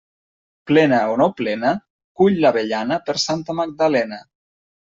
Plena o no plena, cull l'avellana per Santa Magdalena.